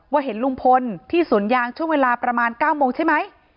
เห็นลุงพลที่สวนยางช่วงเวลาประมาณ๙โมงใช่ไหม